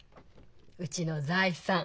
うちの財産。